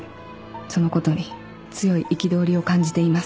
「そのことに強い憤りを感じています」